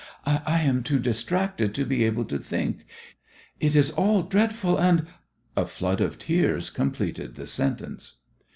I am too distracted to be able to think. It is all dreadful and " A flood of tears completed the sentence.